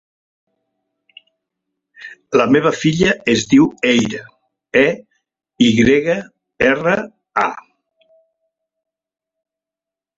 La meva filla es diu Eyra: e, i grega, erra, a.